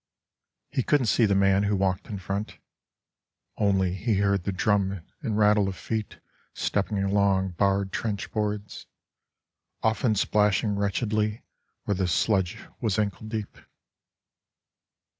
He couldn't see the man who walked in front; Only he heard the drum and rattle of feet Stepping along barred trench boards, often splashing Wretchedly where the sludge was ankle deep.